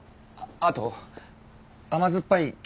あと甘酸っぱい